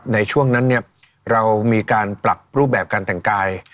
ในช่วงนั้นเนี่ยเรามีการปรับรูปแบบการแต่งกาย